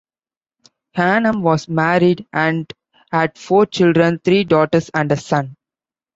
Ghanem was married and had four children, three daughters and a son.